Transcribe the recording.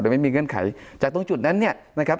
ไม่มีเงื่อนไขจากตรงจุดนั้นเนี่ยนะครับ